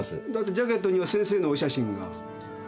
ジャケットには先生のお写真が。